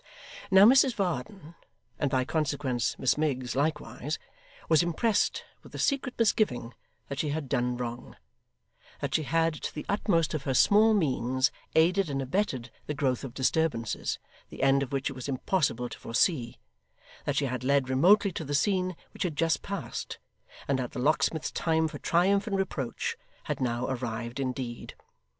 Now Mrs Varden (and by consequence Miss Miggs likewise) was impressed with a secret misgiving that she had done wrong; that she had, to the utmost of her small means, aided and abetted the growth of disturbances, the end of which it was impossible to foresee; that she had led remotely to the scene which had just passed; and that the locksmith's time for triumph and reproach had now arrived indeed.